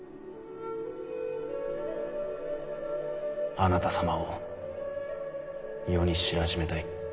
あなた様を世に知らしめたい。